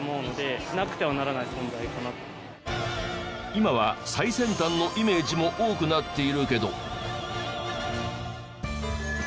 今は最先端のイメージも多くなっているけど。